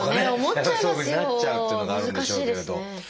やっぱりそういうふうになっちゃうっていうのがあるんでしょうけれど。